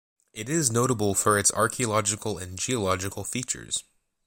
It is notable for its archaeological and geological features.